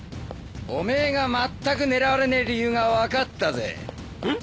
オメエがまったく狙われねえ理由が分かったぜん？